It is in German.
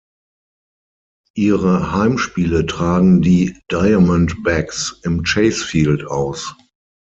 Ihre Heimspiele tragen die Diamondbacks im Chase Field aus.